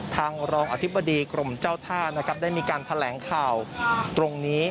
ทางรองอธิบดีกรมเจ้าท่านะครับได้มีการแถลงข่าวตรงนี้